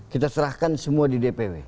kita serahkan semua di dpw